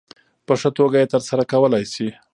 په ښه توګه یې ترسره کولای شي.